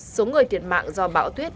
số người tiệt mạng do bão tuyết